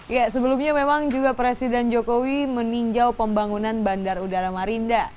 ya sebelumnya memang juga presiden jokowi meninjau pembangunan bandar udara marinda